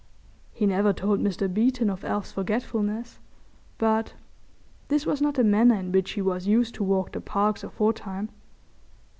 He never told Mr. Beeton of Alf's forgetfulness, but... this was not the manner in which he was used to walk the Parks aforetime.